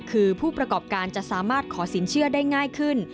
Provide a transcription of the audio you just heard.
คือผู้ประกอบการจะสามารถขอสินเชื่อได้ง่ายขึ้น